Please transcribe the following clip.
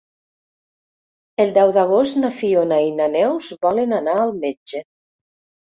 El deu d'agost na Fiona i na Neus volen anar al metge.